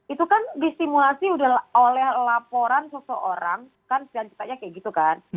itu kan disimulasi udah oleh laporan seseorang kan sejatikanya kayak gitu kan